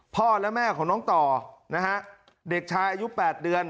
พ่อและแม่ของน้องต่อนะฮะเด็กชายอายุ๘เดือน